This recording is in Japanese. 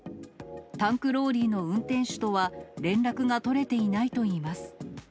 タンクローリーの運転手とは連絡が取れていないといいます。